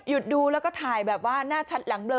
หยุดดูแล้วก็น่าชัดหลังเบลอ